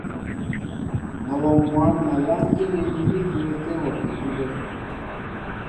Awɔŋ mwǎn a lánkí nín mí bəətɛ́ wɔ́ idʉ́bɛ́.